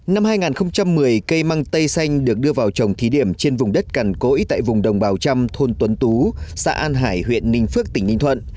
năm hai nghìn một mươi cây măng tây xanh được đưa vào trồng thí điểm trên vùng đất càn cỗi tại vùng đồng bào trăm thôn tuấn tú xã an hải huyện ninh phước tỉnh ninh thuận